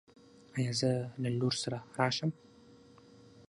ایا زه له لور سره راشم؟